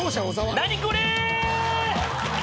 何これっ！